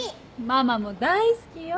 ママも大好きよ。